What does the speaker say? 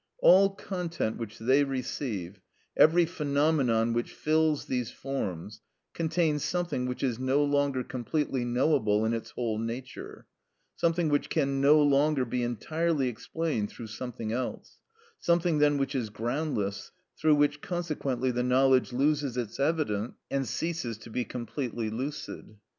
All content which they receive, every phenomenon which fills these forms, contains something which is no longer completely knowable in its whole nature, something which can no longer be entirely explained through something else, something then which is groundless, through which consequently the knowledge loses its evidence and ceases to be completely lucid.